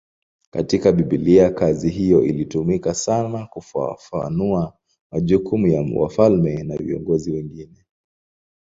Katika Biblia kazi hiyo ilitumika sana kufafanua majukumu ya wafalme na viongozi wengine.